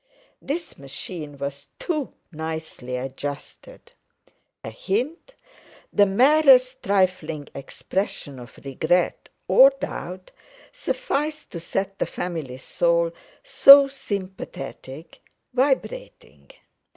This machine was too nicely adjusted; a hint, the merest trifling expression of regret or doubt, sufficed to set the family soul so sympathetic—vibrating.